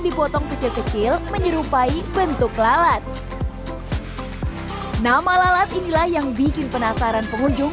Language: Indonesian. dipotong kecil kecil menyerupai bentuk lalat nama lalat inilah yang bikin penasaran pengunjung